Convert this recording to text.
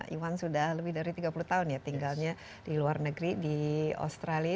iwan sudah lebih dari tiga puluh tahun ya tinggalnya di luar negeri di australia